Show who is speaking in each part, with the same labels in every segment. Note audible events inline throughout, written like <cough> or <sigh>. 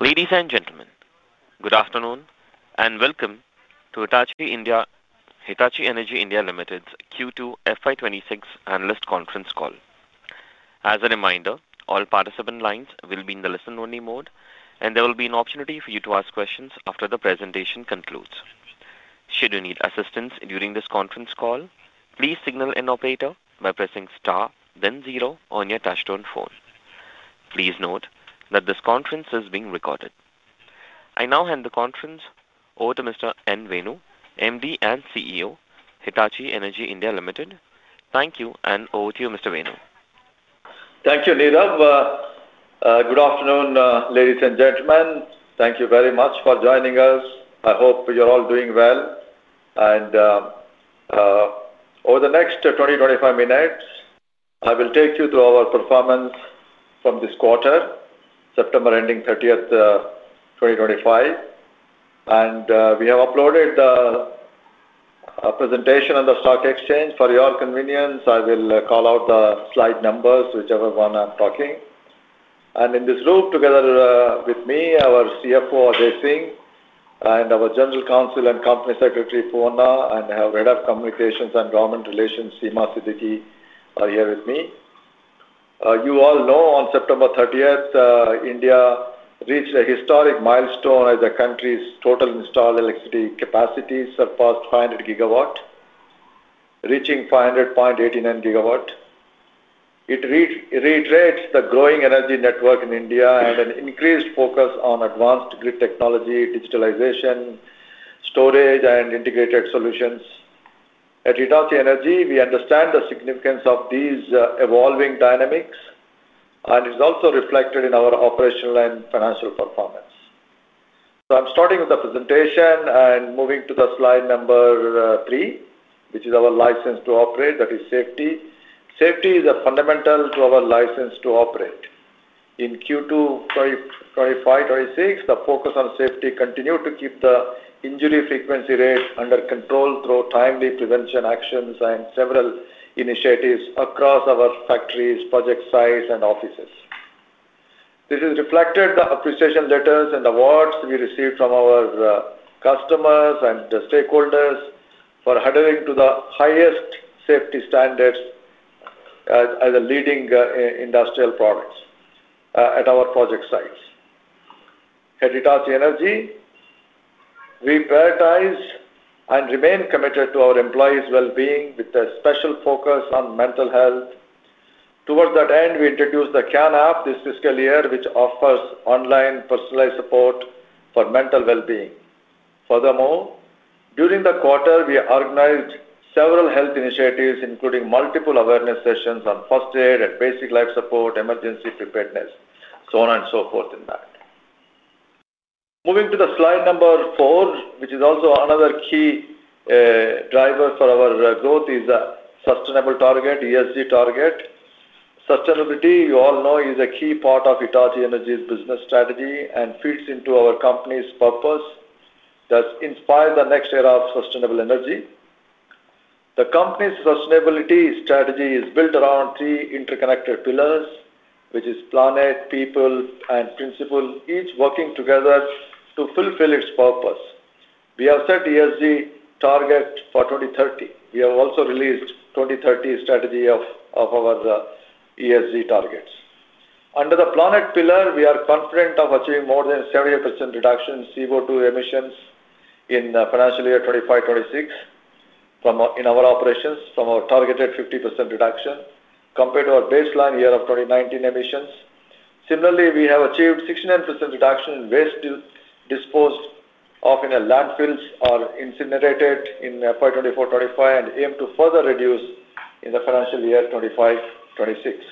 Speaker 1: Ladies and gentlemen, good afternoon and welcome to Hitachi Energy India Limited's Q2 FY 2026 Analyst Conference Call. As a reminder, all participant lines will be in the listen-only mode, and there will be an opportunity for you to ask questions after the presentation concludes. Should you need assistance during this conference call, please signal an operator by pressing star then zero on your touch-tone phone. Please note that this conference is being recorded. I now hand the conference over to Mr. N. Venu, MD and CEO, Hitachi Energy India Limited. Thank you, and over to you, Mr. Venu.
Speaker 2: Thank you, Neerav. Good afternoon, ladies and gentlemen. Thank you very much for joining us. I hope you're all doing well. Over the next 20-25 minutes, I will take you through our performance from this quarter, September ending 30, 2025. We have uploaded the presentation on the stock exchange. For your convenience, I will call out the slide numbers, whichever one I am talking about. In this room, together with me are our CFO, Ajay Singh, our General Counsel and Company Secretary, Poovanna, and our Head of Communications and Government Relations, Seema Siddiqui are here with. You all know, on September 30th, India reached a historic milestone as the country's total installed electricity capacity surpassed 500 GW, reaching 500.89 GW. It reiterates the growing energy network in India, and an increased focus on advanced grid technology, digitalization, storage, and integrated solutions. At Hitachi Energy, we understand the significance of these evolving dynamics, and it is also reflected in our operational and financial performance. I am starting with the presentation and moving to slide number three, which is our license to operate, that is safety. Safety is fundamental to our license to operate. In Q2 2025-2026, the focus on safety continued to keep the injury frequency rate under control through timely prevention actions, and several initiatives across our factories, project sites, and offices. This is reflected in the appreciation letters and awards we received from our customers and the stakeholders, for adhering to the highest safety standards as a leading industrial product at our project sites. At Hitachi Energy, we prioritize and remain committed to our employees' well-being, with a special focus on mental health. Towards that end, we introduced the Kyan app this fiscal year, which offers online personalized support for mental well-being. Furthermore, during the quarter, we organized several health initiatives, including multiple awareness sessions on first aid and basic life support, emergency preparedness, so on and so forth in that. Moving to the slide number four, which is also another key driver for our growth, is a sustainable target, ESG target. Sustainability you all know is a key part of Hitachi Energy's business strategy, and fits into our company's purpose that inspires the next era of sustainable energy. The company's sustainability strategy is built around three interconnected pillars, which are planet, people, and principle, each working together to fulfill its purpose. We have set ESG targets for 2030. We have also released the 2030 strategy of our ESG targets. Under the planet pillar, we are confident of achieving more than 70% reduction in CO2 emissions in the financial year 2025, 2026, in our operations from our targeted 50% reduction compared to our baseline year of 2019 emissions. Similarly, we have achieved 69% reduction in waste disposed of in landfills or incinerated in FY 2024, 2025, and aim to further reduce in the financial year 2025, 2026.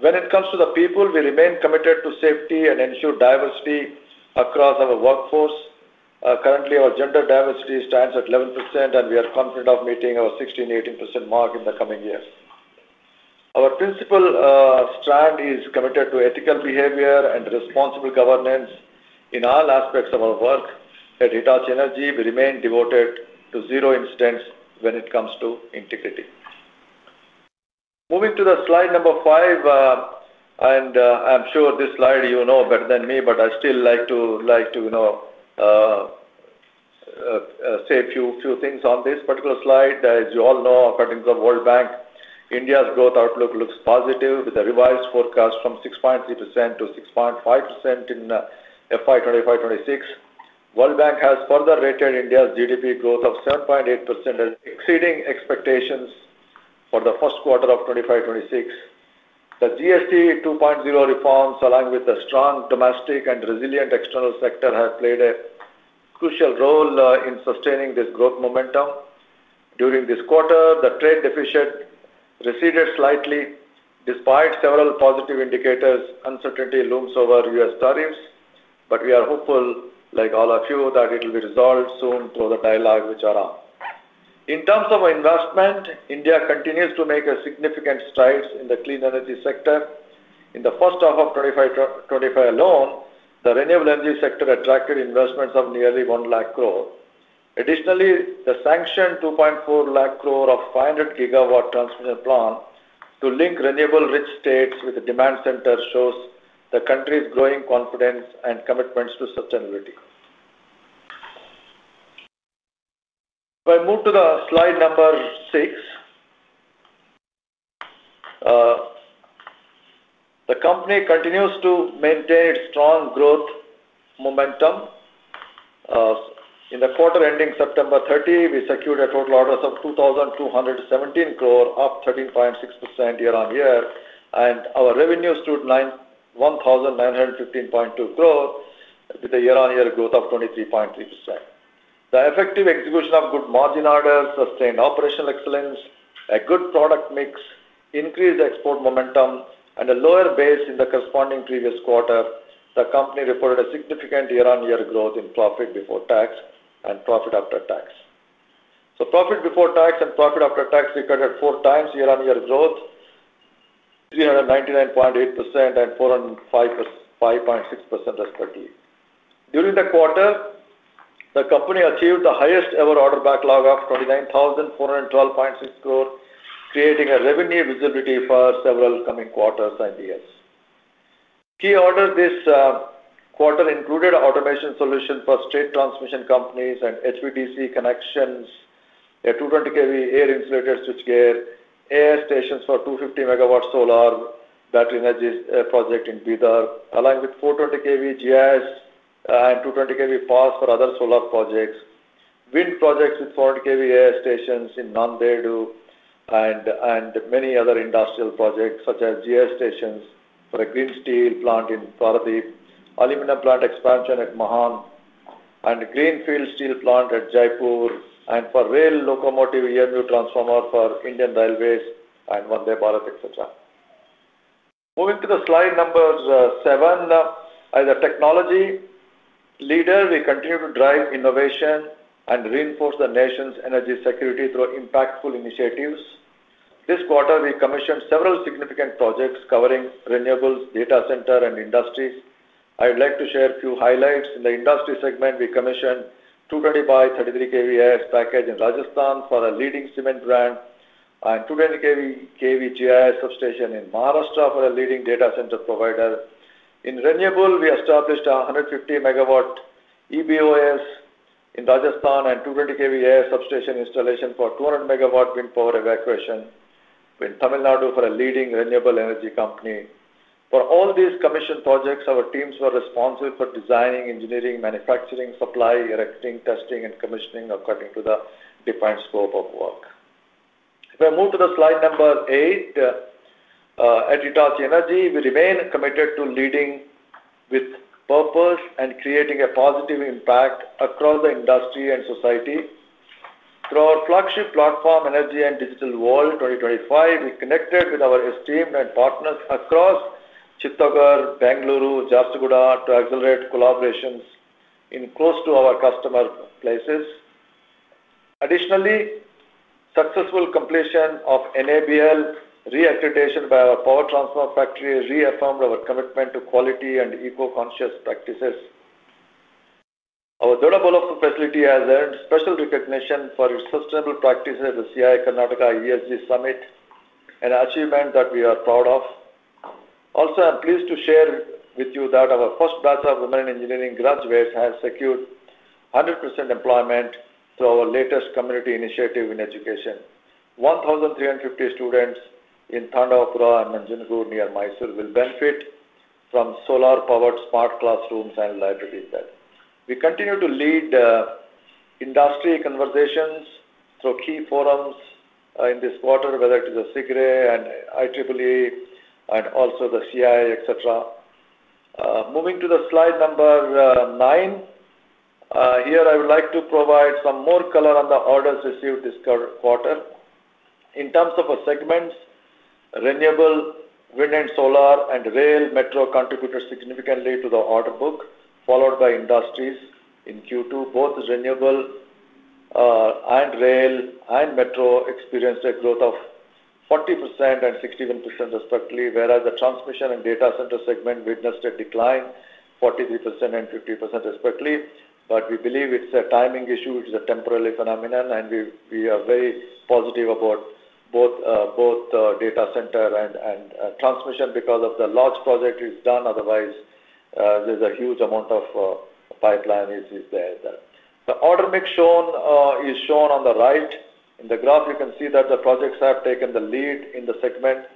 Speaker 2: When it comes to the people, we remain committed to safety and ensure diversity across our workforce. Currently, our gender diversity stands at 11%, and we are confident of meeting our 16%, 18% mark in the coming years. Our principal strand is committed to ethical behavior and responsible governance in all aspects of our work. At Hitachi Energy, we remain devoted to zero incidents when it comes to integrity. Moving to the slide number five, and I'm sure this slide, you know better than me, but I still like to say a few things on this particular slide. As you all know, according to the World Bank, India's growth outlook looks positive, with a revised forecast from 6.3% to 6.5% in FY 2025-2026. The World Bank has further rated India's GDP growth of 7.8%, exceeding expectations for the first quarter of 2026. The GST 2.0 reforms, along with the strong domestic and resilient external sector, have played a crucial role in sustaining this growth momentum. During this quarter, the trade deficit receded slightly. Despite several positive indicators, uncertainty looms over U.S. tariffs, but we are hopeful, like all of you, that it will be resolved soon through the dialogue which is on. In terms of investment, India continues to make significant strides in the clean energy sector. In the first half of 2025 alone, the renewable energy sector attracted investments of nearly 1 lakh crore. Additionally, the sanctioned 2.4 lakh crore of 500 GW transmission plan to link renewable-rich states with the demand center, shows the country's growing confidence and commitments to sustainability. If I move to the slide number six, the company continues to maintain its strong growth momentum. In the quarter ending September 30, we secured a total order of 2,217 crore, up 13.6% year-on-year and our revenue stood 1,915.2 crores, with a year-on-year growth of 23.3%. The effective execution of good margin orders sustained operational excellence, a good product mix, increased export momentum. A lower base in the corresponding previous quarter, the company reported a significant year-on-year growth in profit before tax and profit after tax. Profit before tax and profit after tax recorded 4x year-on-year growth, 399.8% and 405.6% respectively. During the quarter, the company achieved the highest ever order backlog of 29,412.6 crore, creating a revenue visibility for several coming quarters and years. Key orders this quarter included automation solutions for state transmission companies and HVDC connections, a 220 kV air insulated switchgear, air stations for 250 MW solar battery energy project in Bidar, along with 420 kV GIS and 220 kV AIS for other solar projects, wind projects with 400 kV air stations in Nanded, and many other industrial projects such as GIS stations for a green steel plant in Paradeep, aluminum plant expansion at Mahan, and greenfield steel plant at Jaipur, and for rail locomotive,, EMU transformer for Indian Railways and Vande Bharat, etc. Moving to the slide number seven, as a technology leader, we continue to drive innovation and reinforce the nation's energy security through impactful initiatives. This quarter, we commissioned several significant projects covering renewables, data center, and industries. I'd like to share a few highlights. In the industry segment, we commissioned 220 by 33 kV AIS package in Rajasthan for a leading cement brand, and 220 kV GIS substation in Maharashtra for a leading data center provider. In renewable, we established a 150 MW EBOs in Rajasthan, and 220 kV AIS substation installation for 200 MW wind power evacuation in Tamil Nadu for a leading renewable energy company. For all these commissioned projects, our teams were responsible for designing, engineering, manufacturing, supply, erecting, testing, and commissioning according to the defined scope of work. If I move to the slide number eight, at Hitachi Energy, we remain committed to leading with purpose and creating a positive impact across the industry and society. Through our flagship platform, Energy and Digital World 2025, we connected with our esteemed partners across Chittagong, Bengaluru, Jharsuguda to accelerate collaborations in close to our customer places. Additionally, successful completion of NABL re-accreditation by our power transformer factory, reaffirmed our commitment to quality and eco-conscious practices. Our Doddballapur facility has earned special recognition for its sustainable practices at the CII Karnataka ESG Summit, an achievement that we are proud of. Also, I'm pleased to share with you that our first batch of women in engineering graduates has secured 100% employment through our latest community initiative in education. 1,350 students in Thandavapura and [Manjunagur] near Mysore will benefit from solar-powered smart classrooms and libraries. We continue to lead industry conversations through key forums in this quarter, whether it is CIGRE and IEEE, and also the CII, etc. Moving to the slide number nine, here I would like to provide some more color on the orders received this quarter. In terms of segments, renewable, wind, and solar, and rail, metro contributed significantly to the order book, followed by industries. In Q2, both renewable and rail and metro experienced a growth of 40% and 61% respectively, whereas the transmission and data center segment witnessed a decline, 43% and 50% respectively. We believe it's a timing issue. It's a temporary phenomenon, and we are very positive about both data center and transmission because of the large project that is done. Otherwise, there is a huge amount of pipeline issues there. The order mix is shown on the right. In the graph, you can see that the projects have taken the lead in the segment,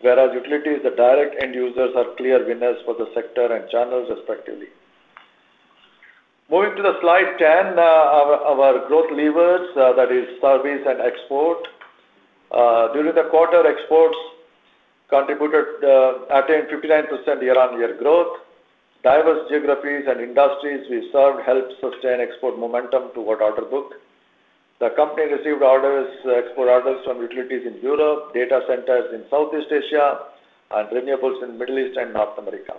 Speaker 2: whereas utilities, the direct end users are clear winners for the sector and channels respectively. Moving to slide 10, our growth levers, that is service and export. During the quarter, exports contributed attained 59% year-on-year growth. Diverse geographies and industries we served helped sustain export momentum toward order book. The company received export orders from utilities in Europe, data centers in Southeast Asia, and renewables in the Middle East and North America.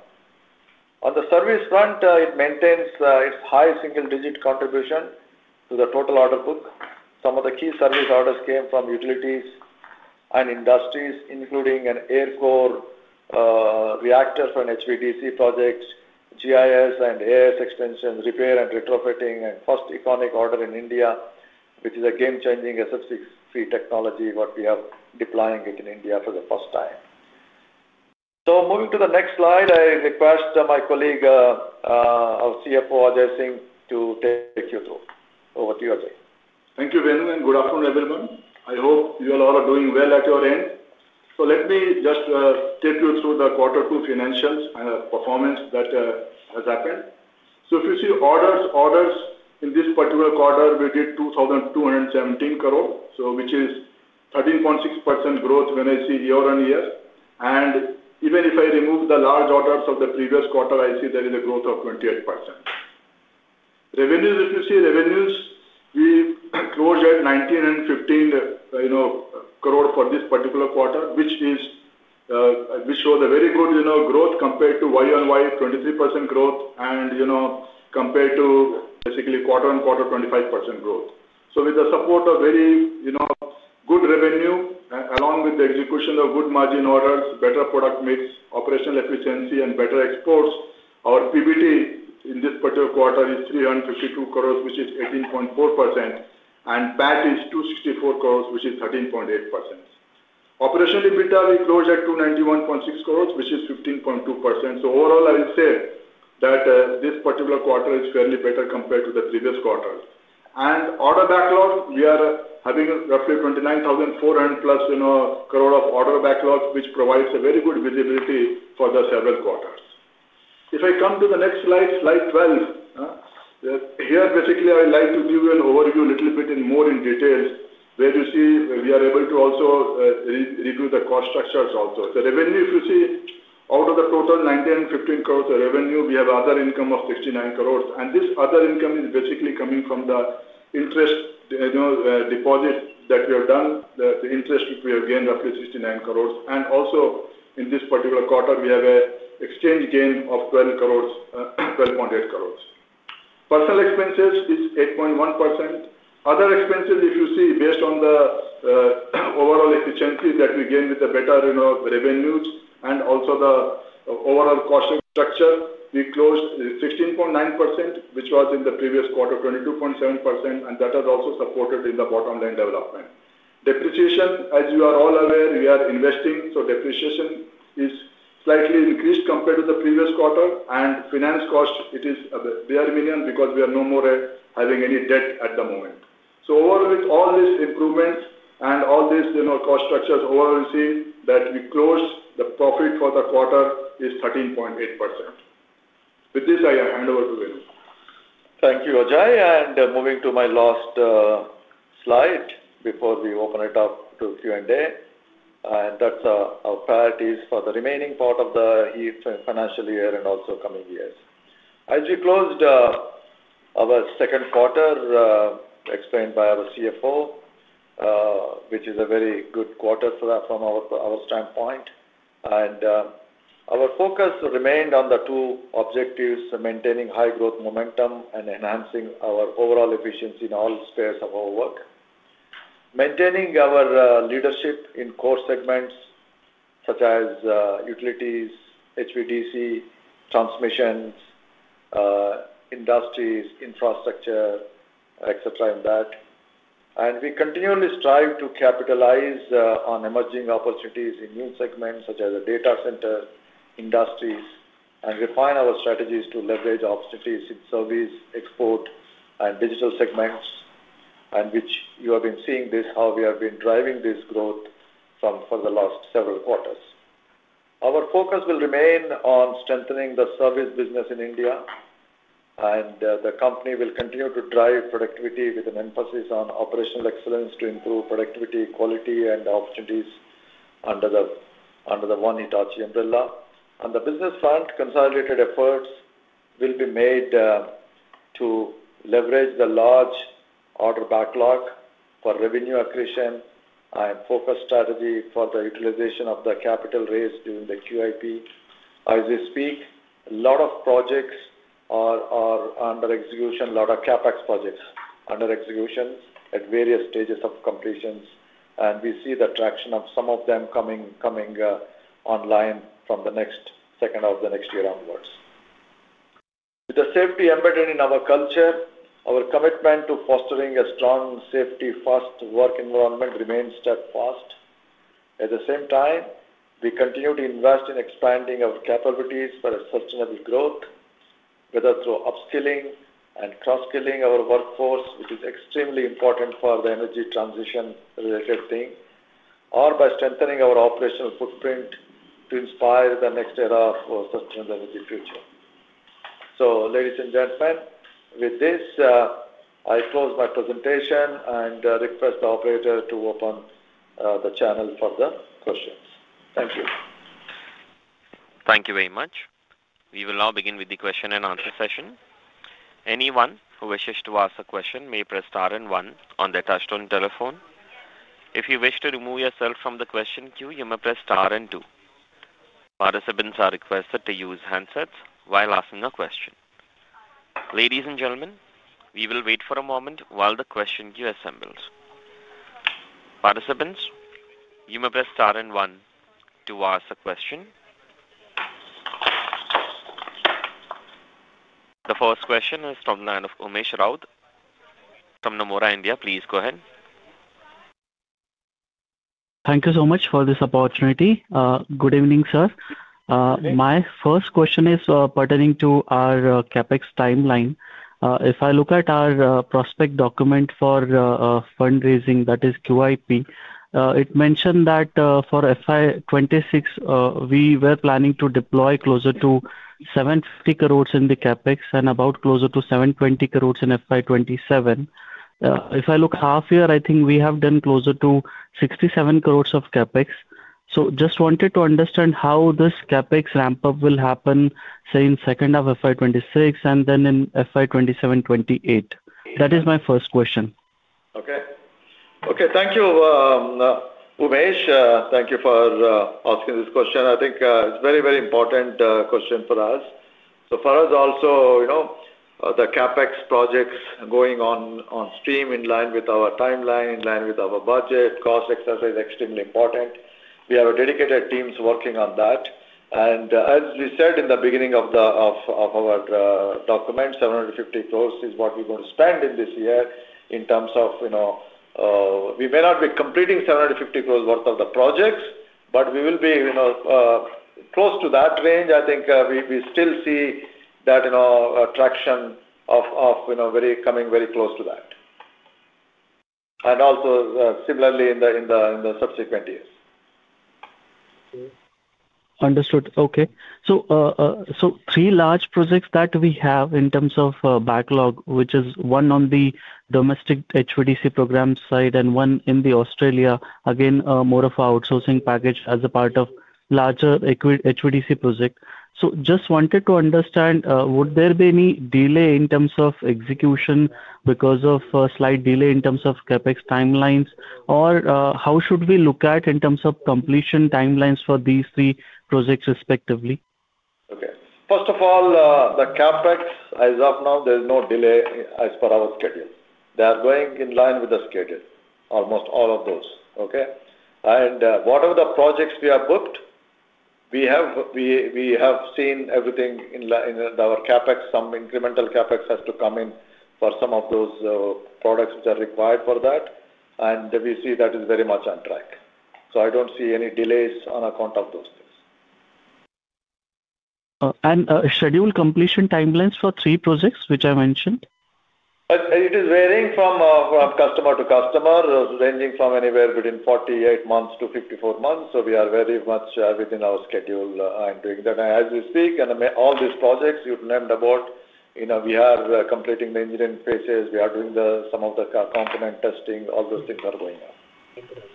Speaker 2: On the service front, it maintains its high single-digit contribution to the total order book. Some of the key service orders came from utilities and industries, including an air core reactor for an HVDC project, GIS and AIS extensions, repair and retrofitting, and first iconic order in India, which is a game-changing SF6-free technology, what we are deploying in India for the first time. Moving to the next slide, I request my colleague, our CFO, Ajay Singh, to take you through. Over to you, Ajay.
Speaker 3: Thank you, Venu. Good afternoon, everyone. I hope you all are doing well at your end. Let me just take you through the quarter two financials and the performance that has happened. If you see orders, in this particular quarter, we did 2,217 crore, which is 13.6% growth when I see year-on-year. Even if I remove the large orders of the previous quarter, I see there is a growth of 28%. Revenues, if you see revenues, we closed at [1,915] crore for this particular quarter, which shows a very good growth compared to year-on-year, 23% growth and compared to basically quarter-on-quarter, 25% growth. With the support of very good revenue, along with the execution of good margin orders, better product mix, operational efficiency and better exports, our PBT in this particular quarter is 352 crore, which is 18.4%, and PAT is 264 crores, which is 13.8%. Operationally, EBITDA, we closed at 291.6 crores, which is 15.2%. Overall, I would say that this particular quarter is fairly better compared to the previous quarter. Order backlog, we are having roughly 29,400+ crore of order backlogs, which provides a very good visibility for the several quarters. If I come to the next slide, slide 12, here basically I'd like to give you an overview a little bit more in detail, where you see we are able to also review the cost structures also. The revenue, if you see, out of the total 1,915 crore revenue, we have other income of 69 crores. This other income is basically coming from the interest deposit that we have done. The interest we have gained is roughly 69 crores. Also, in this particular quarter, we have an exchange gain of 12.8 crores. Personal expenses is 8.1%. Other expenses, if you see, based on the overall efficiency that we gained with the better revenues and also the overall cost structure, we closed 16.9%, which was in the previous quarter 22.7%, and that has also supported in the bottom line development. Depreciation, as you are all aware, we are investing, so depreciation is slightly increased compared to the previous quarter. Finance cost, it is a bare minimum because we are no more having any debt at the moment. With all these improvements and all these cost structures, overall we see that we closed, the profit for the quarter is 13.8%. With this, I hand over to you, Venu.
Speaker 2: Thank you, Ajay. Moving to my last slide before we open it up to Q&A, and that's our priorities for the remaining part of the financial year and also coming years. As we closed our second quarter, explained by our CFO, which is a very good quarter from our standpoint. Our focus remained on the two objectives, maintaining high growth momentum and enhancing our overall efficiency in all spheres of our work, maintaining our leadership in core segments such as utilities, HVDC, transmissions, industries, infrastructure, etc., and that. We continually strive to capitalize on emerging opportunities in new segments, such as a data center, industries, and refine our strategies to leverage opportunities in service, export, and digital segments, which you have been seeing this, how we have been driving this growth for the last several quarters. Our focus will remain on strengthening the service business in India, and the company will continue to drive productivity with an emphasis on operational excellence to improve productivity, quality, and opportunities under the one Hitachi umbrella. On the business front, consolidated efforts will be made to leverage the large order backlog for revenue accretion, and focus strategy for the utilization of the capital raised during the QIP. As we speak, a lot of CapEx projects are under execution at various stages of completion, and we see the traction of some of them coming online from the nsecond of the next year onwards. With the safety embedded in our culture, our commitment to fostering a strong safety-first work environment remains steadfast. At the same time, we continue to invest in expanding our capabilities for sustainable growth, whether through upskilling and cross-skilling our workforce, which is extremely important for the energy transition-related thing, or by strengthening our operational footprint to inspire the next era for sustainable energy future. Ladies and gentlemen, with this, I close my presentation and request the operator to open the channel for the questions. Thank you.
Speaker 1: Thank you very much. We will now begin with the question-and-answer session. Anyone who wishes to ask a question may press star and one on the touchscreen telephone. If you wish to remove yourself from the question queue, you may press star and two. Participants are requested to use handsets while asking a question. Ladies and gentlemen, we will wait for a moment while the question queue assembles. Participants, you may press star and one to ask a question. The first question is from the line of Umesh Raut from Nomura India. Please go ahead.
Speaker 4: Thank you so much for this opportunity. Good evening, sir. My first question is pertaining to our CapEx timeline. If I look at our prospect document for fundraising, that is QIP, it mentioned that for FY 2026, we were planning to deploy closer to 750 crores in the CapEx and about closer to 720 crores in FY 2027. If I look half-year, I think we have done closer to 67 crores of CapEx. Just wanted to understand how this CapEx ramp-up will happen say in second-half of FY 2026, and then in FY 2027-2028. That is my first question.
Speaker 2: Okay. Thank you, Umesh. Thank you for asking this question. I think it's a very, very important question for us. For us also, the CapEx project's going on stream in line with our timeline, in line with our budget, cost exercise, extremely important. We have dedicated teams working on that. As we said in the beginning of our document, 750 crore is what we're going to spend in this year in terms of, we may not be completing 750 crores worth of the projects, but we will be close to that range. I think we still see that traction of coming very close to that, and also similarly in the subsequent years.
Speaker 4: Understood, okay. Three large projects that we have in terms of backlog, which is one on the domestic HVDC program side and one in Australia, again more of our outsourcing package as a part of larger HVDC project. Just wanted to understand, would there be any delay in terms of execution because of slight delay in terms of CapEx timelines, or how should we look at in terms of completion timelines for these three projects respectively?
Speaker 2: Okay. First of all, the CapEx, as of now, there is no delay as per our schedule. They are going in line with the schedule, almost all of those, okay? Whatever the projects we have booked, we have seen everything in our CapEx. Some incremental CapEx has to come in for some of those products that are required for that. We see that is very much on track. I don't see any delays on account of those things.
Speaker 4: Schedule completion timelines for three projects, which I mentioned?
Speaker 2: It is varying from customer to customer, ranging from anywhere between 48 months-54 months. We are very much within our schedule and doing that. As we speak, all these projects you have named about, we are completing the engineering phases. We are doing some of the component testing. All those things are going on.
Speaker 4: Interesting,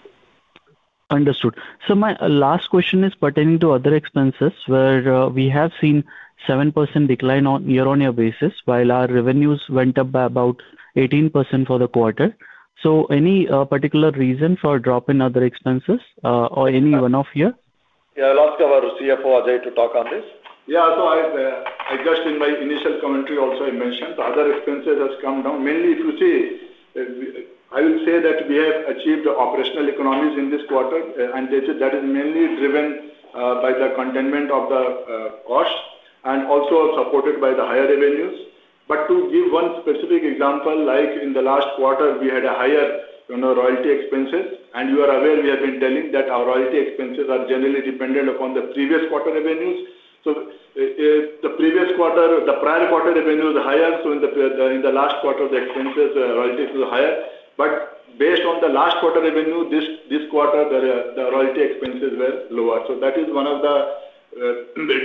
Speaker 4: understood. My last question is pertaining to other expenses, where we have seen a 7% decline on a year-on-year basis, while our revenues went up by about 18% for the quarter. Any particular reason for a drop in other expenses or any one-off here?
Speaker 2: Yeah. I'll ask our CFO, Ajay to talk on this.
Speaker 3: Yeah. Just in my initial commentary, I also mentioned other expenses have come down. Mainly, if you see, I would say that we have achieved operational economies in this quarter, and that is mainly driven by the containment of the cost and also supported by the higher revenues. To give one specific example, in the last quarter, we had higher royalty expenses. You are aware we have been telling that our royalty expenses are generally dependent upon the previous quarter revenues. The prior quarter revenue was higher. In the last quarter, the expenses, royalty was higher. Based on the last quarter revenue, this quarter, the royalty expenses were lower. That is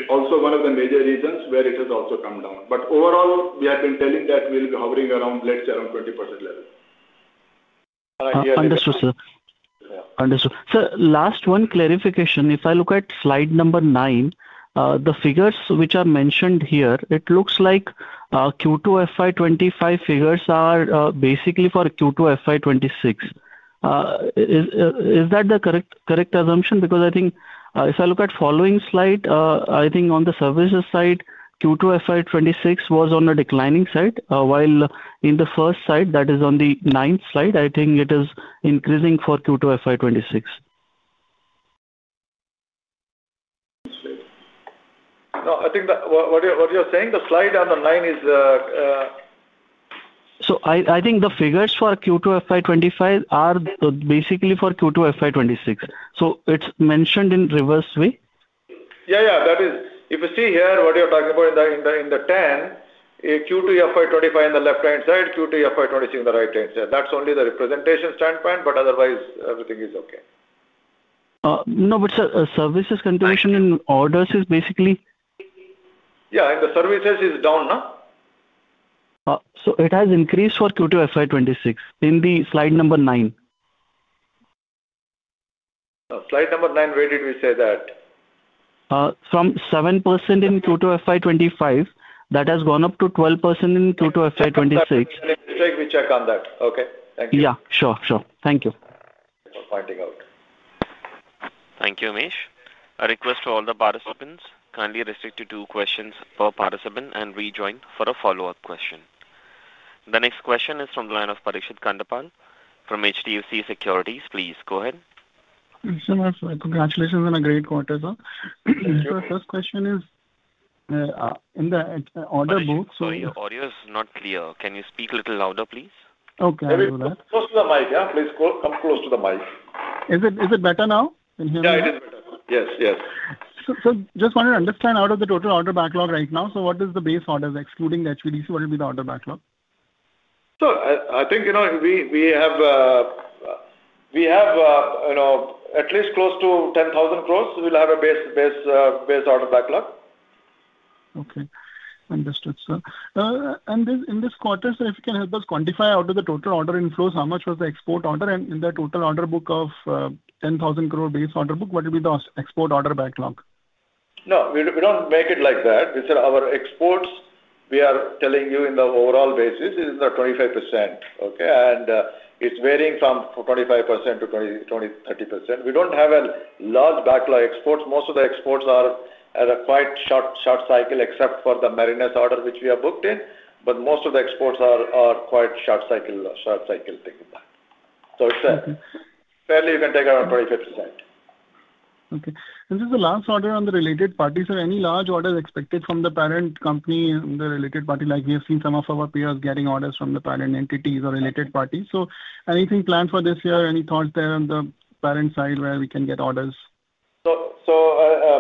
Speaker 3: also one of the major reasons where it has also come down. Overall, we have been telling that we will be hovering around, let's say, around 20% level. <crosstalk>
Speaker 4: Understood, sir. Understood. Sir, last one, clarification. If I look at slide number nine, the figures which are mentioned here, it looks like Q2 FY 2025 figures are basically for Q2 FY 2026. Is that the correct assumption? I think if I look at following slide, I think on the services side, Q2 FY 2026 was on a declining side, while in the first slide, that is on the ninth slide, I think it is increasing for Q2 FY 2026.
Speaker 3: No, I think that what you're saying, the slide on the nine is?
Speaker 4: I think the figures for Q2 FY 2025 are basically for Q2 FY 2026, so it's mentioned in reverse way.
Speaker 3: Yeah. That is, if you see here what you're talking about in the 10, Q2 FY 2025 on the left-hand side, Q2 FY 2026 on the right-hand side, that's only the representation standpoint, but otherwise, everything is okay.
Speaker 4: No, but sir, services contribution in orders is basically?
Speaker 3: Yeah, in the services is down, no?
Speaker 4: It has increased for Q2 FY 2026 in the slide number nine. Slide number nine, where did we say that? From 7% in Q2 FY 2025, that has gone up to 12% in Q2 FY 2026.
Speaker 3: Let me check on that, okay? Thank you.
Speaker 4: Yeah, sure. Thank you.
Speaker 3: Thank you for pointing out.
Speaker 2: Thank you, Umesh.
Speaker 1: A request to all the participants, kindly restrict to two questions per participant and rejoin for a follow-up question. The next question is from the line of Parikshit Kandpal from HDFC Securities. Please go ahead.
Speaker 5: Sir, congratulations on a great quarter, sir.
Speaker 3: Thank you.
Speaker 5: The first question is in the order book. <crosstalk>
Speaker 2: Sorry, your audio is not clear. Can you speak a little louder, please?
Speaker 3: <crosstalk> close to the mic, yeah? Please come close to the mic.
Speaker 5: Is it better now?
Speaker 3: Yeah, it is better.
Speaker 2: Yes.
Speaker 5: Just want to understand, out of the total order backlog right now, what is the base order, excluding the HVDC? What will be the order backlog?
Speaker 2: I think we have at least close to 10,000 crores, we will have a base order backlog.
Speaker 5: Okay. Understood, sir. In this quarter, sir, if you can help us quantify, out of the total order inflows, how much was the export order? In the total order book of 10,000 crores base order book, what will be the export order backlog?
Speaker 2: No, we do not make it like that. We said our exports, we are telling you on the overall basis, is the 25%. It's varying from 25%-30%. We do not have a large backlog exports. Most of the exports are at a quite short cycle, except for the Marinus order, which we are booked in. Most of the exports are quite short-cycle <crosstalk> you can take around 25%.
Speaker 5: Okay. This is the last order on the related parties. Sir, any large orders expected from the parent company and the related party? Like we have seen some of our peers getting orders from the parent entities or related parties. Anything planned for this year? Any thoughts there on the parent side where we can get orders?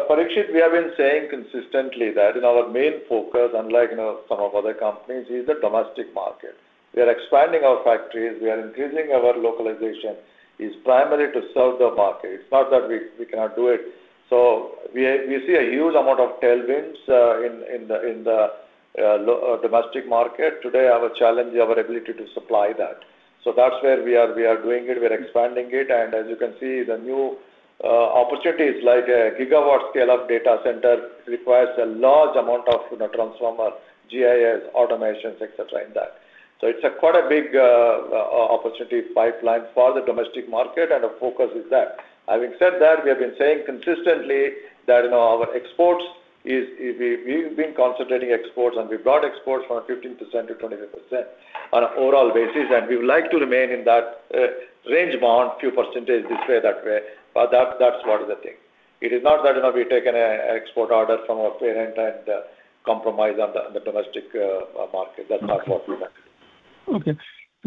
Speaker 2: Parikshit, we have been saying consistently that our main focus, unlike some other companies, is the domestic market. We are expanding our factories. We are increasing our localization. It's primarily to serve the market. It is not that we cannot do it. We see a huge amount of tailwinds in the domestic market. Today, our challenge is our ability to supply that. That's where we are doing it. We are expanding it. As you can see, the new opportunities, like a gigawatt-scale data center requires a large amount of transformer, GIS, automations, etc., in that. It is quite a big opportunity pipeline for the domestic market, and the focus is that. Having said that, we have been saying consistently that our exports is, we've been concentrating on exports and we brought exports from 15% to 25% on an overall basis. We would like to remain in that range bound, few percentage this way, that way. That is what is the thing. It is not that we're taking an export order from our parent and compromise on the domestic market. That's not what we meant.
Speaker 5: Okay.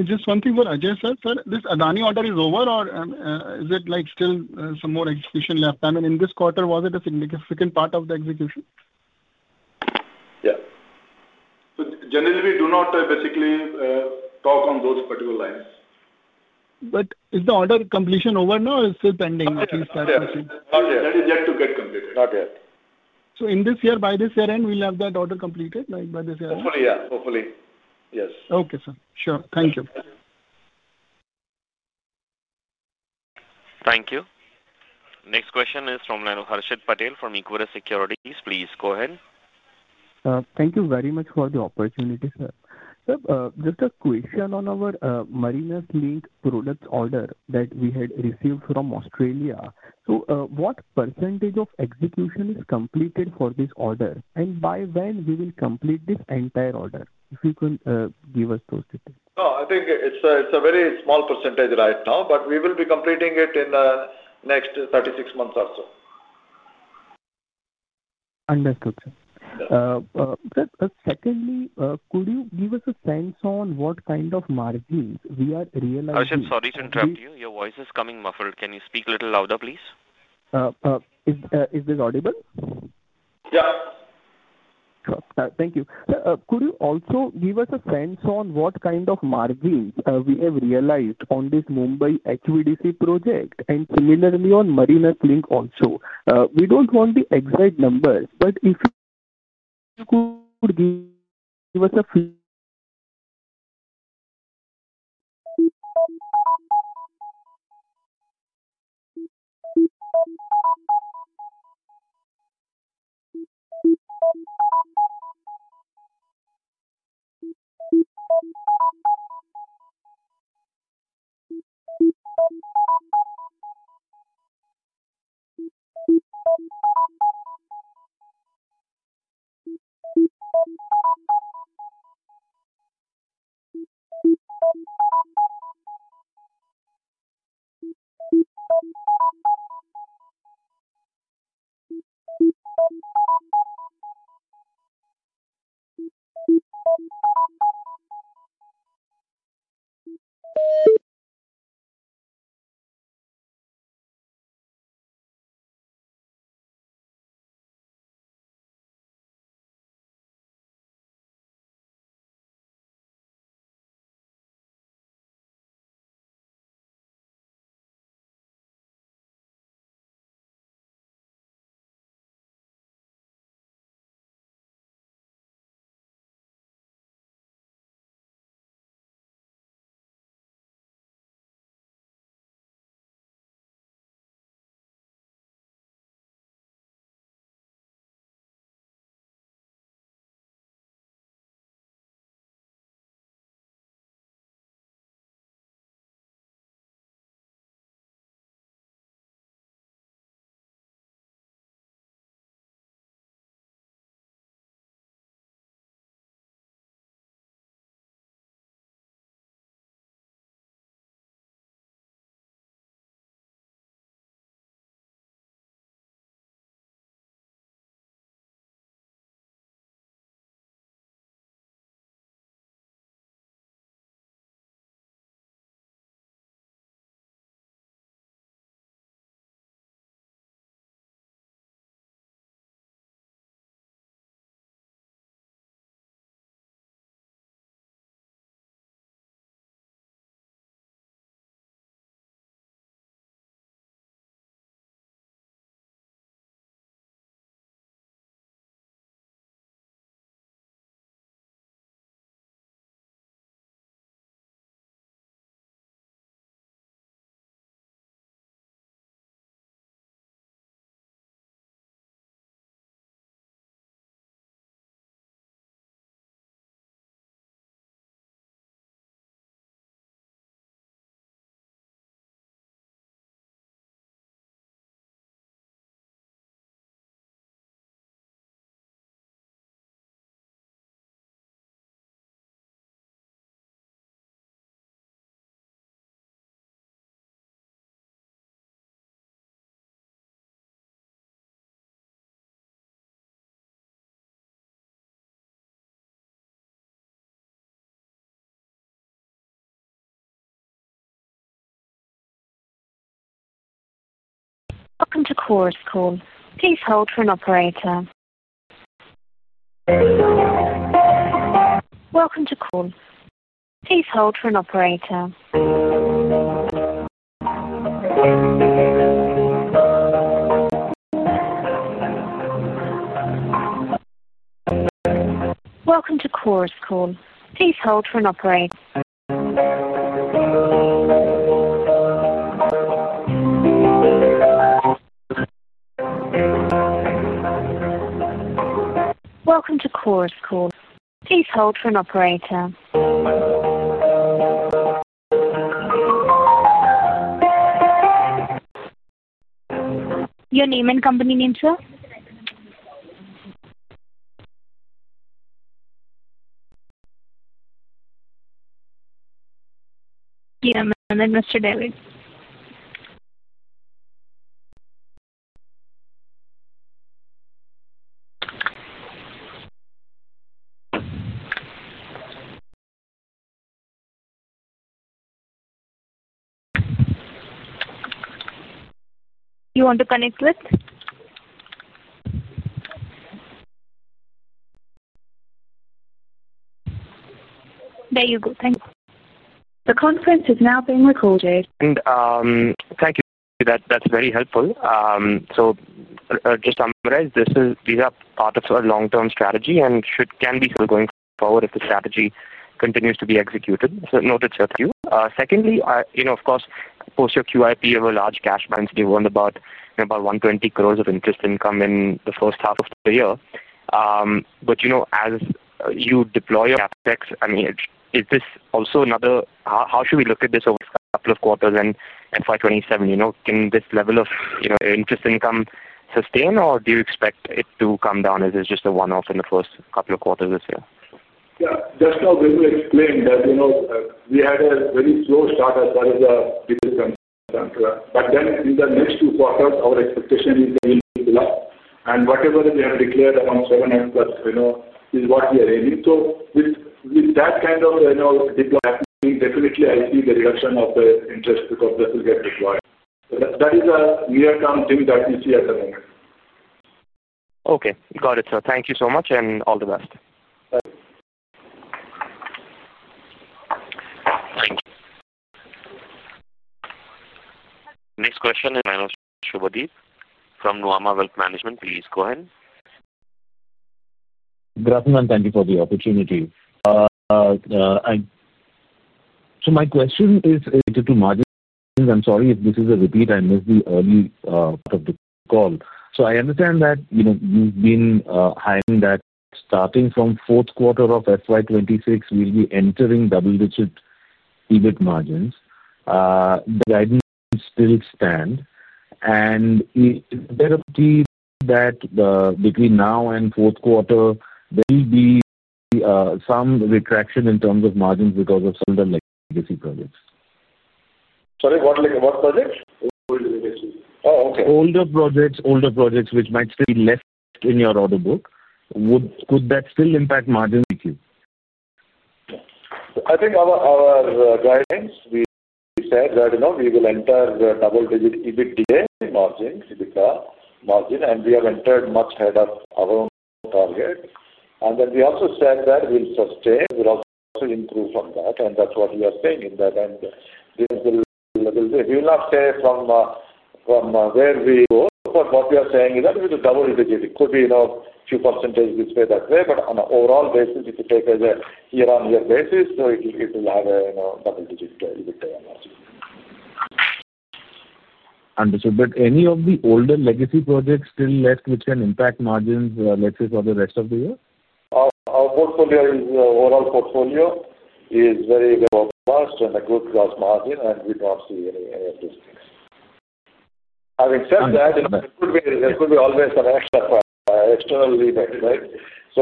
Speaker 5: Just one thing for Ajay. Sir, this Adani order is over, is it still some more execution left? I mean, in this quarter, was it a significant part of the execution?
Speaker 3: Yeah. Generally, we do not basically talk on those particular lines.
Speaker 5: Is the order completion over now or it is still pending? At least [that question].
Speaker 3: Not yet. That is yet to get completed. Not yet.
Speaker 5: In this year, by this year end, we'll have that order completed by this year end?
Speaker 3: Hopefully, yes.
Speaker 5: Okay, sir. Sure. Thank you.
Speaker 3: Yeah.
Speaker 1: Thank you. Next question is from Harshit Patel from Equirus Securities. Please go ahead.
Speaker 6: Thank you very much for the opportunity, sir. Sir, just a question on our Marinus Link products order that we had received from Australia. What percentage of execution is completed for this order and by when will we complete this entire order? If you can give us those details.
Speaker 2: I think it's a very small percentage right now, but we will be completing it in the next 36 months or so.
Speaker 6: Understood, sir. Secondly, could you give us a sense on what kind of margins we are realizing?
Speaker 1: Harshit, sorry to interrupt you. Your voice is coming muffled. Can you speak a little louder, please?
Speaker 6: Is this audible?
Speaker 1: Yeah.
Speaker 6: Thank you. Could you also give us a sense on what kind of margins we have realized on this Mumbai HVDC project, and similarly on Marinus Link also? We do not want the exact numbers, but if you could give us a few. <crosstalk>
Speaker 7: Welcome to Corus Call. Please hold for an operator. Welcome to Corus. Please hold for an operator. Welcome to Corus Call. Please hold for an operator. Welcome to Corus Call. Please hold for an operator.
Speaker 8: Your name and company name, sir?
Speaker 9: Yeah. <crosstalk> and then Mr. David. You want to connect with? There you go. Thanks.
Speaker 7: The conference is now being recorded.
Speaker 6: Thank you. That is very helpful. To summarize, these are part of a long-term strategy and can be for going forward if the strategy continues to be executed. Noted, sir. Thank you. Secondly, of course, post your QIP of a large cash balance, we have earned about 120 crores of interest income in the first half of the year. As you deploy your CapEx, I mean, how should we look at this over the next couple of quarters and FY 2027? Can this level of interest income sustain, or do you expect it to come down as it is just a one-off in the first couple of quarters this year?
Speaker 2: Yeah. Just now, we explained that we had a very slow start as far as the business comes down to that. <crosstalk> in the next two quarters, our expectation is that we will pick it up. Whatever we have declared around seven and plus <crosstalk> is what we are aiming to. With that kind of deployment, definitely I see the reduction of the interest because this will get deployed. That is a near-term thing that we see at the moment.
Speaker 6: Okay. Got it, sir. Thank you so much and all the best.
Speaker 2: Thank you.
Speaker 1: Next question is from Mitra Subhadip from Nuvama Wealth Management. Please go ahead.
Speaker 10: <crosstalk> and thank you for the opportunity. My question is related to margins. I'm sorry if this is a repeat. I missed the early part of the call. I understand that you've been highlighting that starting from fourth quarter of FY 2026, we'll be entering double-digit EBIT margins. The guidance still stands. Is there a tease that between now and fourth quarter, there will be some retraction in terms of margins because of some of the <crosstalk> projects?
Speaker 2: Sorry, what <crosstalk> projects?
Speaker 3: Old legacy projects.
Speaker 2: Oh, okay.
Speaker 10: Older projects which might still be left in your order book. Could that still impact margins with you?
Speaker 2: I think our guidance, we said that we will enter double-digit EBITDA margin, and we have entered much ahead of our own target. We also said that we will sustain, we will also improve from that. That's what we are saying in that. We will not say from where we go, but what we are saying is that we will [be in the] double-digit. It could be a few percentage this way, that way. On an overall basis, if you take a year-on-year basis, it will have a double-digit EBITDA.
Speaker 10: Understood. Any of the older legacy projects still left which can impact margins, let's say for the rest of the year?
Speaker 2: Our overall portfolio is very robust and a good gross margin, and we do not see any of these things. Having said that, there could be always some extra external EBIT, right? <crosstalk>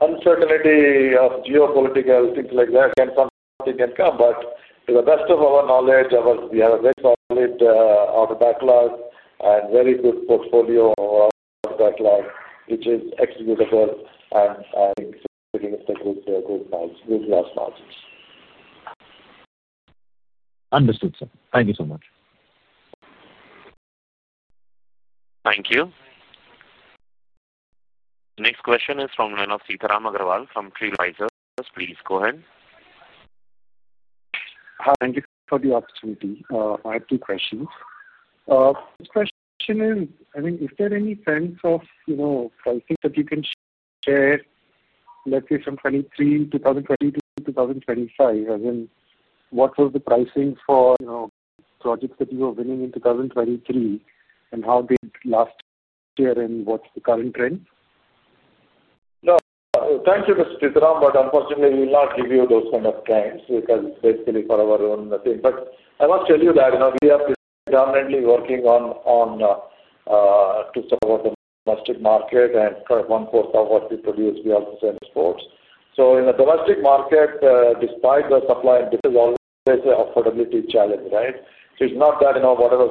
Speaker 2: uncertainty of geopolitical things like that. Something can come. To the best of our knowledge, we have a very solid order backlog and very good portfolio order backlog, which is executable and [still putting into good] gross margins.
Speaker 10: Understood, sir. Thank you so much.
Speaker 1: Thank you. Next question is from [Manager Sitaram Agarwal from TriLisers]. Please go ahead.
Speaker 11: Thank you for the opportunity. I have two questions. First question is, I mean, is there any sense of pricing that you can share, let's say from 2023-2025? As in, what was the pricing for projects that you were winning in 2023, and how they did last year and what is the current trend?
Speaker 2: No. Thank you, Mr. Sitaram, but unfortunately, we will not give you those kind of trends because it's basically for our own thing. I must tell you that we are predominantly working to serve the domestic market, and 1/4 of what we produce, we also sell exports. In the domestic market, despite the supply and demand, there's always an affordability challenge, right? It's not that whatever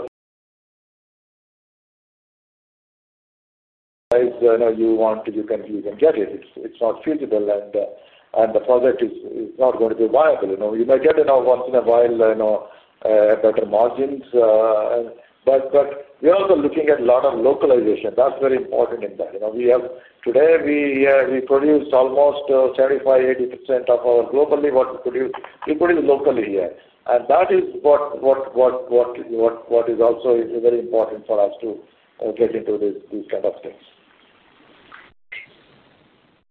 Speaker 2: price you want, you can get it. It's not feasible, and the project is not going to be viable. You may get once in a while, better margins, but we're also looking at a lot of localization. That's very important in that. Today, we produce almost 75%-80% of globally what we produce. We produce locally here. That is what is also very important for us to get into these kind of things.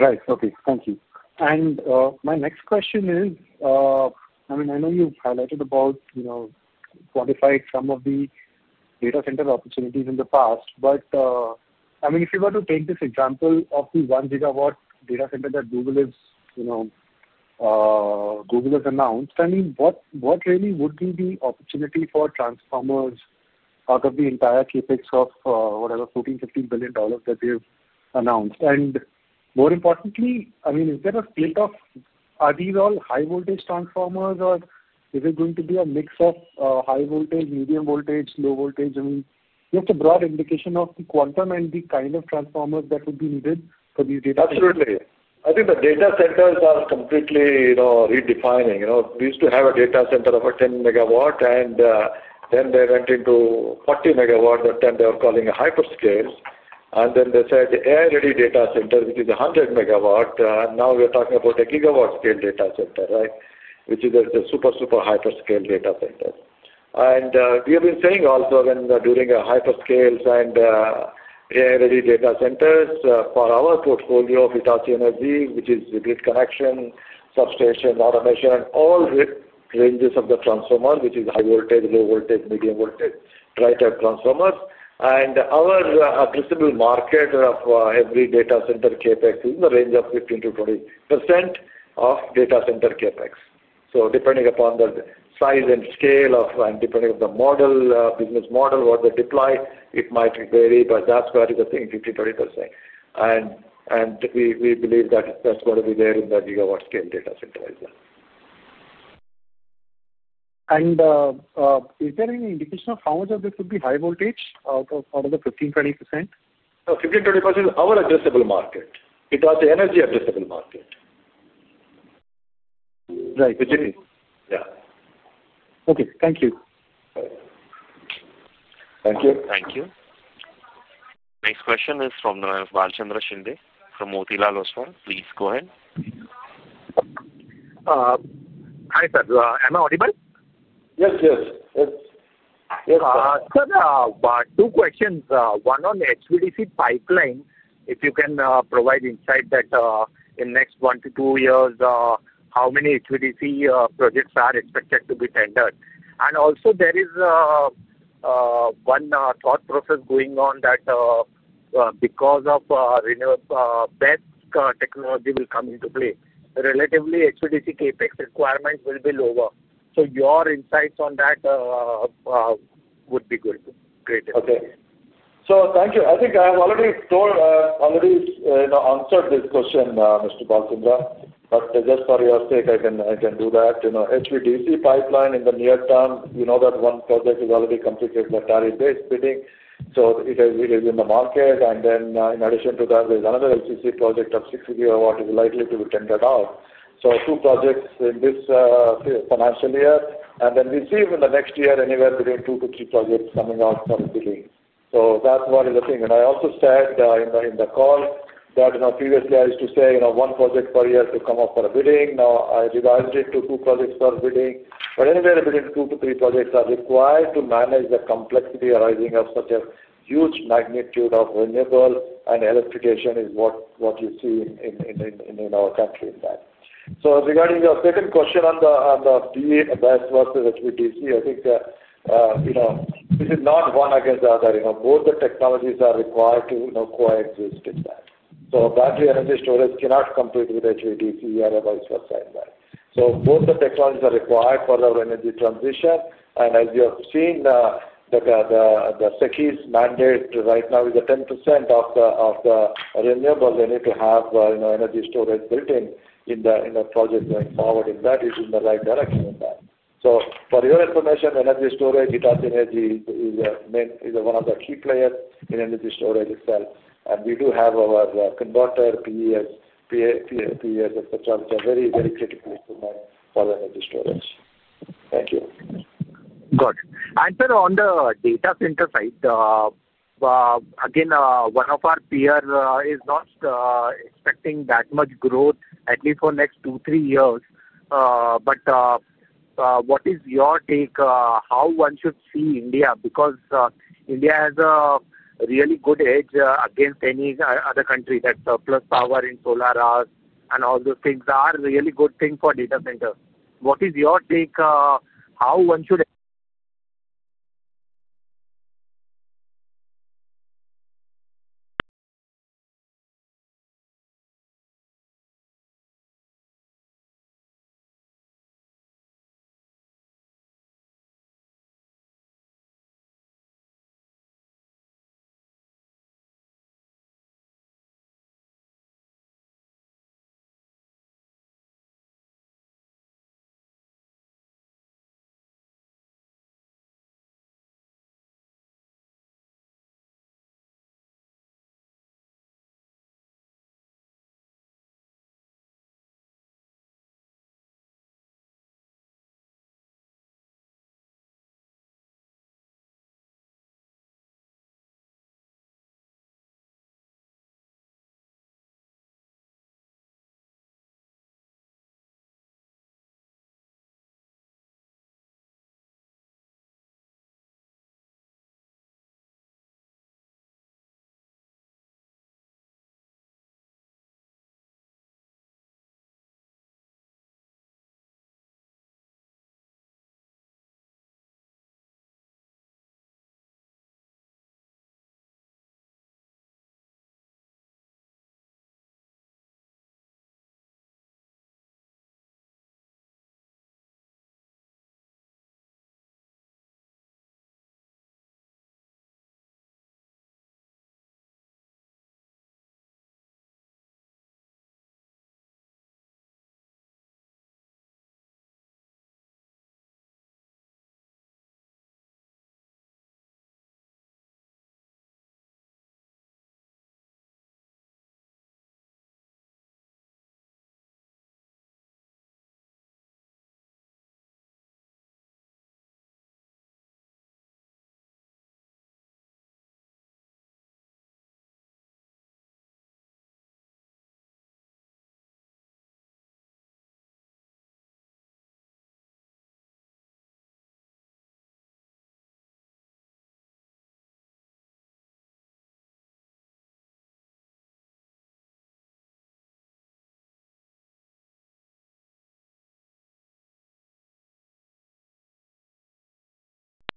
Speaker 11: Right, okay. Thank you. My next question is, I mean, I know you've quantified some of the data center opportunities in the past, but I mean, if you were to take this example of the 1 GW data center that Google has announced, I mean, what really would be the opportunity for transformers out of the entire CapEx of whatever $14 billion-$15 billion that they've announced? More importantly, I mean, are these all high-voltage transformers, or is it going to be a mix of high voltage, medium voltage, low voltage? I mean, just a broad indication of the quantum and the kind of transformers that would be needed for these data centers.
Speaker 2: Absolutely. I think the data centers are completely redefining. We used to have a data center of 10 MW, and then they went into 40 MW and then they were calling it hyperscales. They said the air-ready data center, which is 100 MW, and now we're talking about a gigawatt-scale data center, which is a super, super hyperscale data center. We have been saying also, during hyperscales and air-ready data centers for our portfolio of Hitachi Energy, which is grid connection, substation, automation, all ranges of the transformer, which is high voltage, low voltage, medium voltage, dry-type transformers, our addressable market of every data center CapEx is in the range of 15%-20% of data center CapEx. Depending upon the size and scale and depending on the business model, what they deploy, it might vary, but that's where it is in 15%-20%. We believe that that's going to be there in the gigawatt-scale data center as well.
Speaker 11: Is there any indication of how much of this would be high voltage out of the 15%-20%?
Speaker 2: [15%-20%] is our addressable market. It's the energy addressable market.
Speaker 11: Right. Yeah, okay. Thank you.
Speaker 2: Thank you.
Speaker 1: Thank you. Next question is from [Ayaz] Bhalchandra Shinde from Motilal Oswal. Please go ahead.
Speaker 12: Hi, sir. Am I audible?
Speaker 2: Yes.
Speaker 12: Sir, two questions. One on HVDC pipeline, if you can provide insight that, in the next one to two years, how many HVDC projects are expected to be tendered? Also, there is one thought process going on, that because of renewable <crosstalk> technology will come into play, relatively HVDC CapEx requirement will be lower. Your insights on that would be good.
Speaker 2: Great, okay. Thank you. I think I have already answered this question, Mr. Bhalchandra, but just for your sake, I can do that. HVDC pipeline in the near term, you know that one project is already completed, but there is [spinning], so it is in the market. In addition to that, there is another LCC project of 60 GW that is likely to be tendered out. Two projects in this financial year, and then we see in the next year anywhere between two to three projects coming out for bidding. That is what is the thing. I also said in the call that previously, I used to say one project per year to come up for a bidding. Now I revised it to two projects per bidding. Anywhere between two to three projects are required to manage the complexity arising of such a huge magnitude of renewable and electrification, is what you see in our country in that. Regarding your second question on the BESS versus HVDC, I think this is not one against the other. Both the technologies are required to coexist in that. Battery energy storage cannot compete with HVDC or [vice versa like that]. Both the technologies are required for our energy transition. As you have seen, the SECI's mandate right now is the 10% of the renewable they need to have energy storage built in in the project going forward, and that is in the right direction in that. For your information, energy storage, Hitachi Energy is one of the key players in energy storage itself. We do have our converter, [PES], etc., which are very, very critical for energy storage. Thank you.
Speaker 12: Good. Sir, on the data center side, again one of our peers is not expecting that much growth, at least for the next two, three years. What is your take, how should one see India? India has a really good edge against any other country that surplus power in solar arc, and all those things are a really good thing for data centers. What is your take?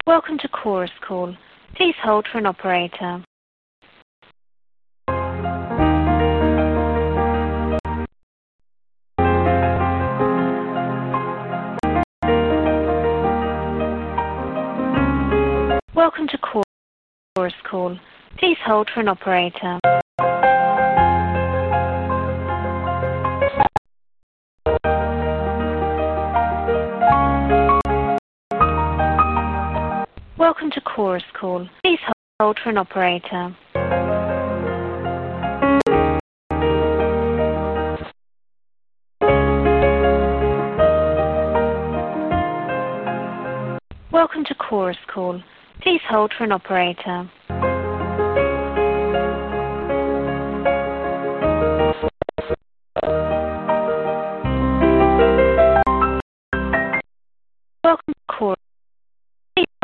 Speaker 7: Welcome to Corus Call. Please hold for an operator. Welcome to Corus Call. Please hold for an operator. Welcome to Corus Call. Please hold for an operator.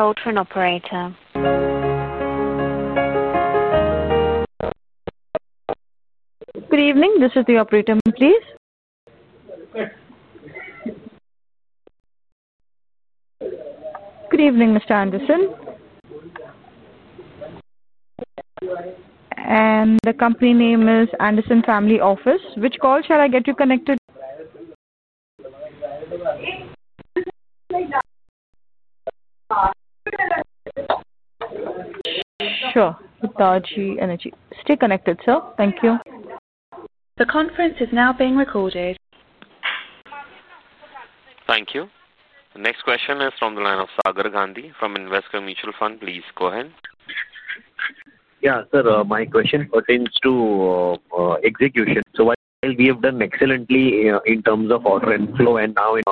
Speaker 7: Welcome to Corus Call. Please hold for an operator. Welcome to Corus. Please hold for an operator.
Speaker 8: Good evening. This is the operator, please. Good evening, Mr. Anderson. The company name is Anderson Family Office. Which call shall I get you connected?
Speaker 9: Sure, Hitachi Energy. Stay connected, sir. Thank you.
Speaker 7: The conference is now being recorded.
Speaker 1: Thank you. Next question is from the line of Sagar Gandhi from Invesco Mutual Fund. Please go ahead.
Speaker 13: Yeah, sir. My question pertains to execution. While we have done excellently in terms of order and flow and now in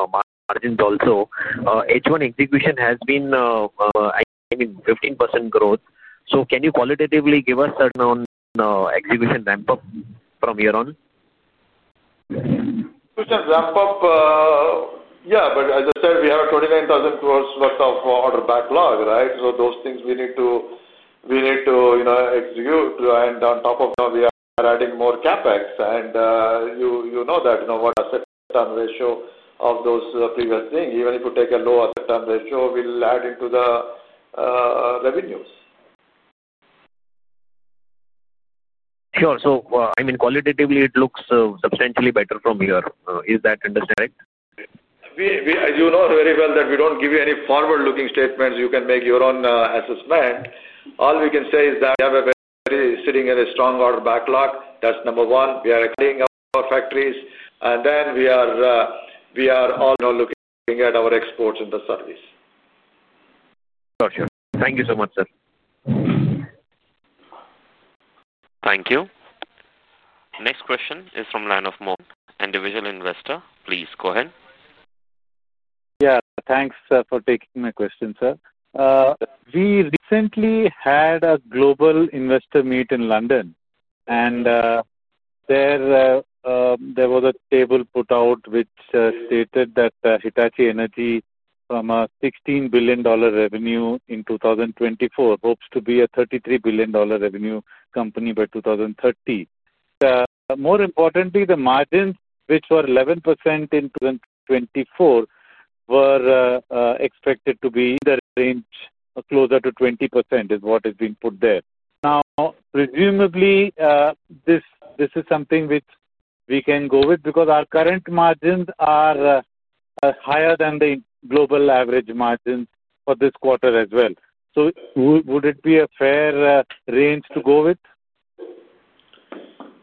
Speaker 13: margins also, H1 execution has been, I mean, 15% growth. Can you qualitatively give us a <crosstalk> execution ramp-up from here on?
Speaker 2: <crosstalk> ramp-up, yeah. As I said, we have a 29,000+ worth of order backlog, right? Those things we need to execute. On top of that, we are adding more CapEx. You know that, the asset-to-turn ratio of those previous things, even if you take a low asset-to-turn ratio, we will add into the revenues.
Speaker 13: Sure. I mean, qualitatively, it looks substantially better from here. Is that understanding correct?
Speaker 2: As you know very well that we do not give you any forward-looking statements, you can make your own assessment. All we can say is that we are sitting in a strong order backlog. That's number one. We are [clearing up] our factories, and then we are all looking at our exports and the service.
Speaker 13: Got you. Thank you so much, sir.
Speaker 1: Thank you. Next question is from the line of [Moore and The Visual Investor]. Please go ahead.
Speaker 14: Yeah. Thanks for taking my question, sir. We recently had a global investor meet in London, and there was a table put out which stated that Hitachi Energy, from a $16 billion revenue in 2024, hopes to be a $33 billion revenue company by 2030. More importantly, the margins which were 11% in 2024, were expected to be in the range closer to 20%, is what has been put there. Now, presumably, this is something which we can go with, because our current margins are higher than the global average margins for this quarter as well. Would it be a fair range to go with?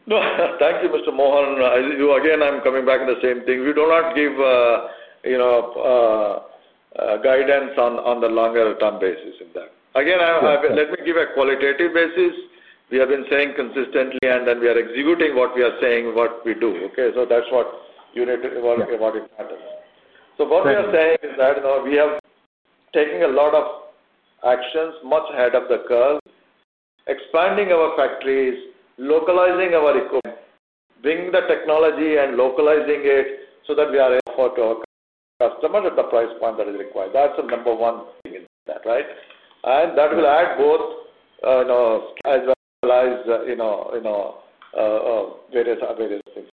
Speaker 2: No. Thank you, Mr. [Mohan]. Again, I'm coming back to the same thing. We do not give guidance on the longer-term basis in that. Again, let me give a qualitative basis. We have been saying consistently, and then we are executing what we are saying, what we do, okay? That's what you need to. <crosstalk> What we are saying is that, we have taken a lot of actions much ahead of the curve, expanding our factories, localizing our equipment, bringing the technology, and localizing it, so that we[ are able to offer to] our customers at the price point that is required. That's the number one thing in that, right? That will add both, <crosstalk> as well as various things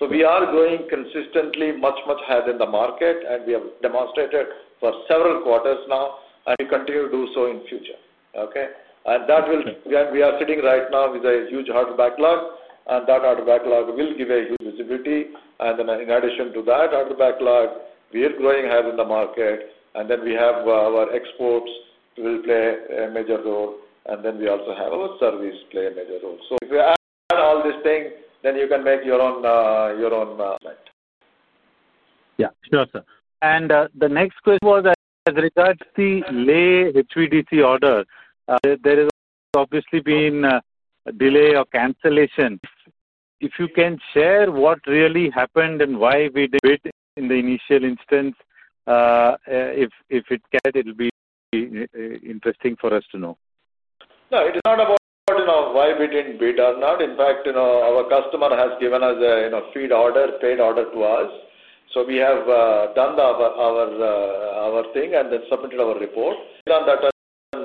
Speaker 2: with that. We are going consistently much, much ahead in the market and we have demonstrated for several quarters now, and we continue to do so in the future, okay? We are sitting right now with a huge order backlog, and that order backlog will give a huge visibility. In addition to that order backlog, we are growing ahead in the market, and our exports will play a major role and our service play a major role. If you add all these things, then you can make your own assessment.
Speaker 14: Yeah. Sure, sir. The next question was, as regards to the late HVDC order, there has obviously been a delay or cancellation. If you can share what really happened and why we did bid in the initial instance, it will be interesting for us to know.
Speaker 2: No, it is not about why we did not bid. In fact, our customer has given us a [free order] paid order. We have done our thing and then submitted our report. On that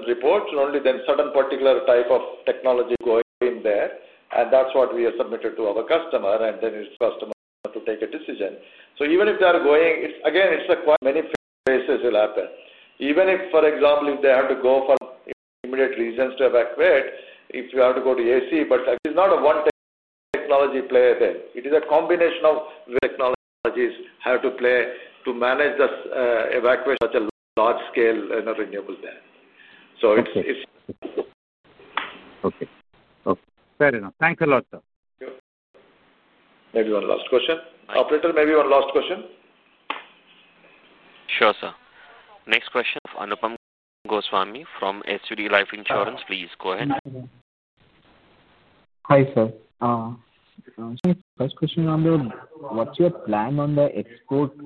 Speaker 2: report, only then certain particular type of technology going in there, and that's what we have submitted to our customer and then it's customer to take a decision. Even if they are going, again, quite many phases will happen. Even for example, if they have to go for immediate reasons to evacuate, if you have to go to AC, but it is not a one-technology player there. It is a combination of, technologies have to play to manage the evacuation at a large scale in a renewable there. <crosstalk>
Speaker 14: Okay, fair enough. Thanks a lot, sir.
Speaker 2: Thank you. Maybe one last question. Operator, maybe one last question.
Speaker 1: Sure, sir. Next question of Anupam Goswami from SUD Life Insurance. Please go ahead.
Speaker 15: Hi sir. My first question is on, what's your plan on the export? <crosstalk>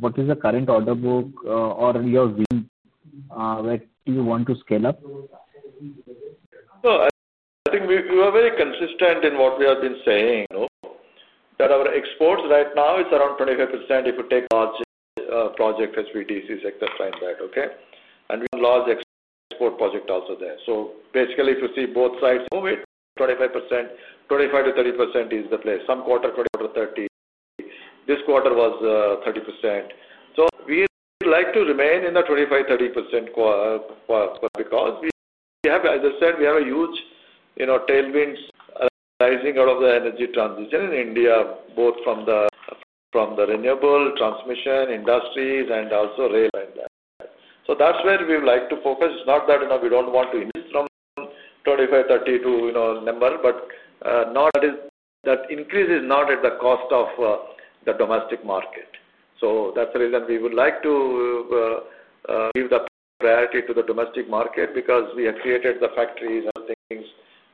Speaker 15: What is the current order book or your? <crosstalk> Where do you want to scale up?
Speaker 2: I think we were very consistent in what we have been saying. Our exports right now are around 25% if you take large project HVDCs [except] in that, okay? We have a large export project also there. Basically, if you see both sides of it, 25-30% is the place some quarter, quarter 30. This quarter was 30%. We would like to remain in the 25-30% quarter, because we have, as I said, huge tailwinds arising out of the energy transition in India, both from the renewable transmission industries and also rail in that. That's where we would like to focus. It is not that we do not want to increase from 25%-30% to a higher number, but that increase is not at the cost of the domestic market. That's the reason we would like to give the priority to the domestic market, because we have created the factories and things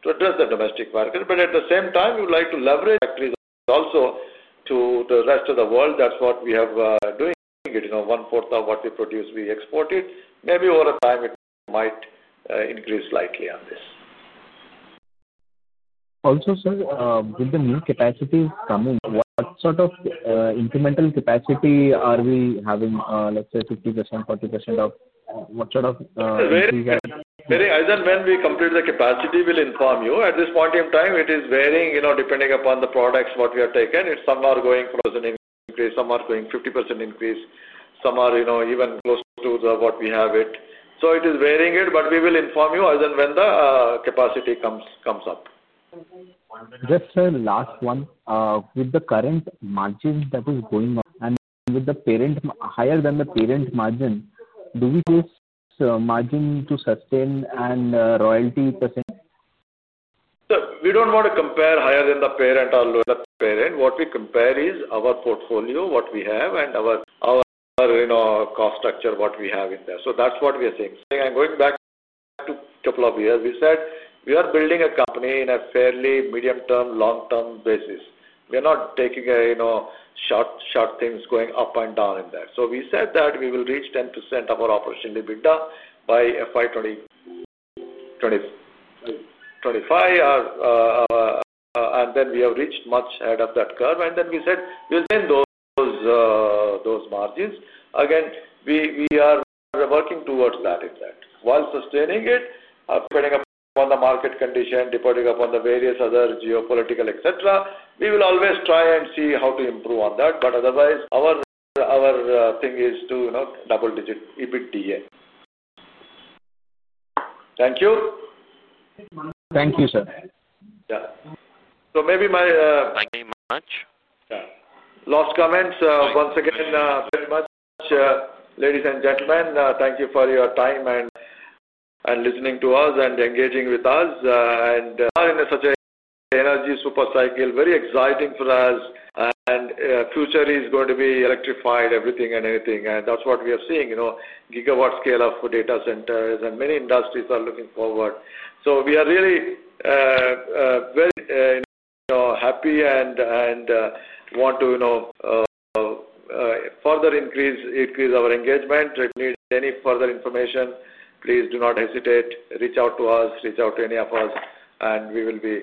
Speaker 2: to address the domestic market. At the same time, we would like to leverage factories also to the rest of the world. That's what we have been doing. 1/4 of what we produce, we export it. Maybe over time, it might increase slightly on this.
Speaker 15: Also, sir, with the new capacities coming, what sort of incremental capacity are we having? Let's say 50%, 40% of what sort of. <crosstalk>
Speaker 2: <crosstalk> when we complete the capacity, we'll inform you. At this point in time, it is varying depending upon the products, what we have taken. It's somewhere going for an increase, somewhere going 50% increase, somewhere even close to what we have. It is varying, but we will inform you as and when the capacity comes up.
Speaker 15: Just a last one. With the current margin that is going up and higher than the parent margin, do we use some margin to sustain and royalty percentage?
Speaker 2: We do not want to compare higher than the parent or lower than the parent. What we compare is our portfolio, what we have, and our cost structure, what we have in there. That is what we are saying. I am going back to a couple of years. We said we are building a company in a fairly medium-term, long-term basis. We are not taking short things going up and down in there. We said that we will reach 10% of our operationally bid by FY 2025, and then we have reached much ahead of that curve. We said we will spend those margins. Again, we are working towards that. While sustaining it, depending upon the market condition, depending upon various other geopolitical, etc., we will always try and see how to improve on that. Otherwise, our thing is to double-digit EBITDA. Thank you.
Speaker 15: Thank you, sir. <crosstalk>
Speaker 2: Maybe my last comments. Once again, very much, ladies and gentlemen, thank you for your time and listening to us and engaging with us. We are in such an energy supercycle, very exciting for us. The future is going to be electrified, everything and anything. That is what we are seeing, gigawatt scale of data centers, and many industries are looking forward. We are really very happy and want to further increase our engagement. If you need any further information, please do not hesitate to reach out to us, reach out to any of us, and we will be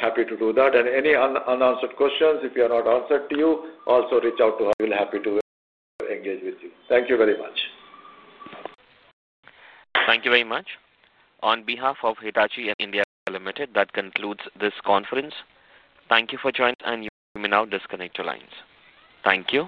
Speaker 2: happy to do that. Any unanswered questions, if we are not answering to you, also reach out to us. We will be happy to engage with you. Thank you very much.
Speaker 1: Thank you very much. On behalf of Hitachi Energy India Limited, that concludes this conference. Thank you for joining, and you may now disconnect your lines. Thank you.